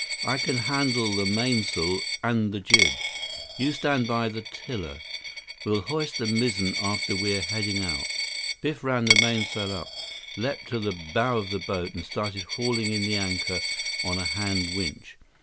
I can handle the mainsail and the jib. You stand by the tiller. We'll hoist the mizzen after we're heading out." Biff ran the mainsail up, leaped to the bow of the boat, and started hauling in the anchor on a hand winch.